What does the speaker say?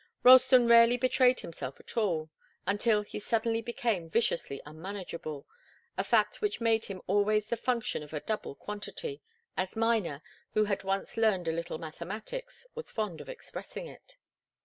Ralston rarely betrayed himself at all, until he suddenly became viciously unmanageable, a fact which made him always the function of a doubtful quantity, as Miner, who had once learned a little mathematics, was fond of expressing it.